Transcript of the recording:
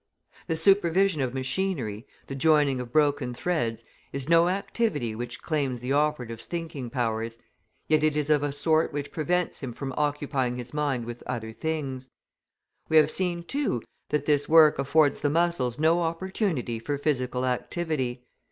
The supervision of machinery, the joining of broken threads, is no activity which claims the operative's thinking powers, yet it is of a sort which prevents him from occupying his mind with other things. We have seen, too, that this work affords the muscles no opportunity for physical activity.